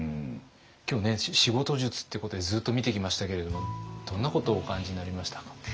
今日ね仕事術ってことでずっと見てきましたけれどもどんなことをお感じになりましたか？